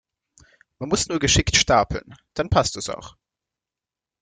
Man muss nur geschickt Stapeln, dann passt es auch.